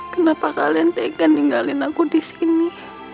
kenapa kalian tega ninggalin aku di sini